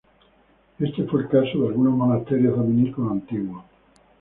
Este fue el caso de algunos monasterios dominicos antiguos.